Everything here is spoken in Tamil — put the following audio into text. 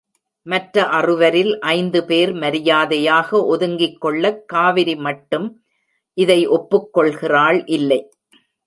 மற்ற அறுவரில் ஐந்து பேர் மரியாதையாக ஒதுங்கிக் கொள்ளக் காவிரி மட்டும் இதை ஒப்புக் கொள்கிறாள் இல்லை.